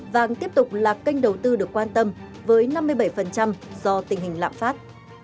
vàng tiếp tục là kênh đầu tư được quan tâm với năm mươi bảy do tình hình lạm phát